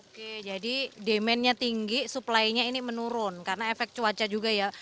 oke jadi demandnya tinggi supply nya ini menurun karena efek cuaca juga ya